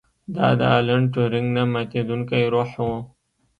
دا د الن ټورینګ نه ماتیدونکی روح و